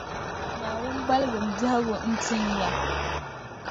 Naawuni baligimi biɛhigu n-tin ya.